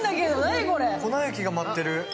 粉雪が舞ってる。